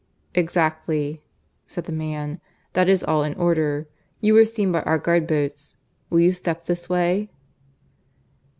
"Exactly," said the man. "That is all in order. You were seen by our guard boats. Will you step this way?"